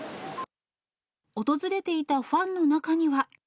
訪れていたファンの中には。